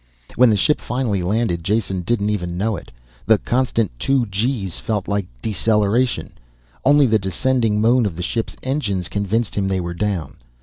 When the ship finally landed Jason didn't even know it. The constant 2 G's felt like deceleration. Only the descending moan of the ship's engines convinced him they were down.